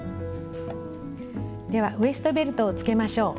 ではウエストベルトをつけましょう。